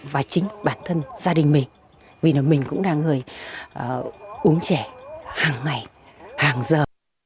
và chính bản thân gia đình mình vì mình cũng là người uống chè hàng ngày hàng giờ